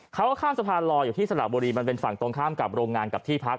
เขาก็ข้ามสะพานลอยอยู่ที่สระบุรีมันเป็นฝั่งตรงข้ามกับโรงงานกับที่พัก